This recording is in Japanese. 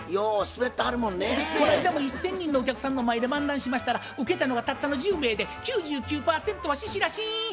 こないだも１，０００人のお客さんの前で漫談しましたらウケたのはたったの１０名で９９％はししらしん。